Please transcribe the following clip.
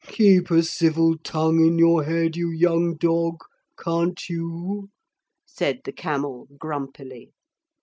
'Keep a civil tongue in your head, you young dog, can't you?' said the camel grumpily.